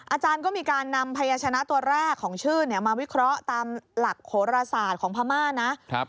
อาจารย์ก็มีการนำพยาชนะตัวแรกของชื่อมาวิเคราะห์ตามหลักโหรศาสตร์ของพม่านะ